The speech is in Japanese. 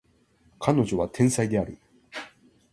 彼女は天才である